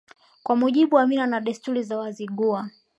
Kwa mujibu wa mila na desturi za Wazigua